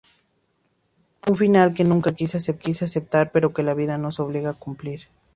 Un final que nunca quise aceptar, pero que la vida nos obliga a cumplir.